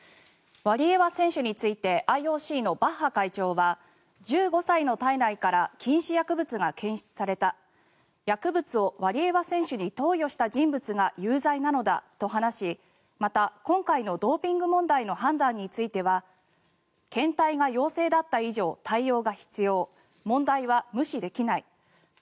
ワリエワ選手についてＩＯＣのバッハ会長は１５歳の体内から禁止薬物が検出された薬物をワリエワ選手に投与した人物が有罪なのだと話しまた、今回のドーピング問題の判断については検体が陽性だった以上対応が必要問題は無視できない。